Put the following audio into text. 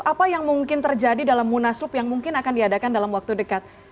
apa yang mungkin terjadi dalam munaslup yang mungkin akan diadakan dalam waktu dekat